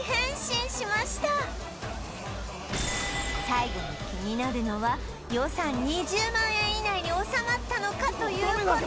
最後に気になるのは予算２０万円以内に収まったのかという事